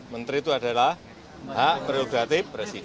menteri itu adalah hak prerogatif presiden